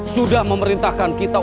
sudah memerintahkan kita